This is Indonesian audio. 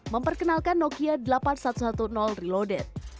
memperkenalkan nokia delapan ribu satu ratus sepuluh reloded